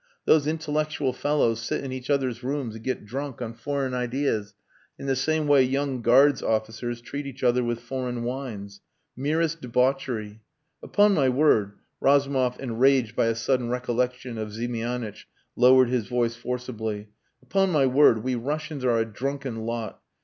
Those intellectual fellows sit in each other's rooms and get drunk on foreign ideas in the same way young Guards' officers treat each other with foreign wines. Merest debauchery. ...Upon my Word," Razumov, enraged by a sudden recollection of Ziemianitch, lowered his voice forcibly, "upon my word, we Russians are a drunken lot.